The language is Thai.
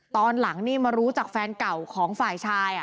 ตอนหลังนี่มารู้จากแฟนเก่าของฝ่ายชาย